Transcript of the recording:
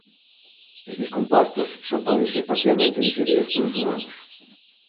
Estes compostos só poden ser parcialmente dixeridos polos humanos.